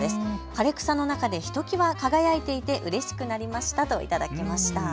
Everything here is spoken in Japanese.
枯れ草の中でひときわ輝いていてうれしくなりましたと頂きました。